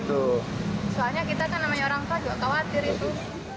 soalnya kita kan namanya orang tua juga khawatir itu